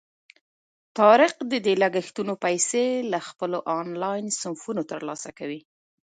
طارق د دې لګښتونو پیسې له خپلو آنلاین صنفونو ترلاسه کوي.